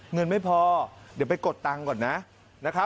เงินไม่พอเดี๋ยวไปกดตังค์ก่อนนะ